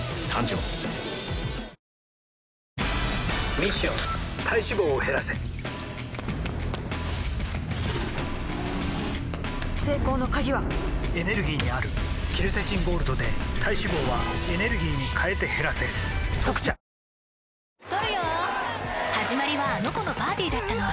ミッション体脂肪を減らせ成功の鍵はエネルギーにあるケルセチンゴールドで体脂肪はエネルギーに変えて減らせ「特茶」「ポテトデラックス」のデラックスってなんですか？